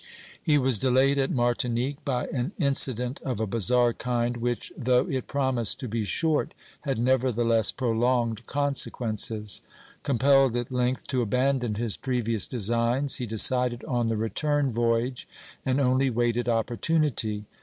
He was delayed at Martinique by an incident of a bizarre kind which, though it promised to be short, had nevertheless, prolonged consequences. Compelled at length to abandon his previous designs, he decided on the return voyage and only waited opportunity.